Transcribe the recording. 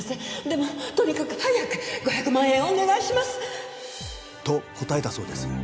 でもとにかく早く５００万円お願いします！と答えたそうです。